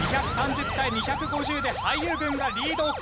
２３０対２５０で俳優軍がリード。